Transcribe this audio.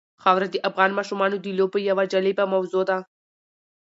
خاوره د افغان ماشومانو د لوبو یوه جالبه موضوع ده.